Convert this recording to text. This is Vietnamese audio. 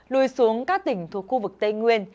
lùi xuống các tỉnh thuộc khu vực tây nguyên